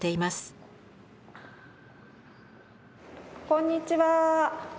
こんにちは。